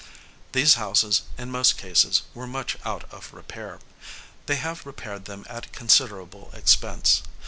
These houses, in most cases, were much out of repair. They have repaired them at a considerable expense.